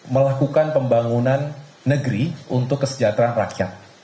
melakukan pembangunan negeri untuk kesejahteraan rakyat